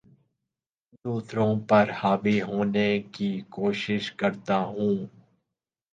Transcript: دوسروں پر حاوی ہونے کی کوشش کرتا ہوں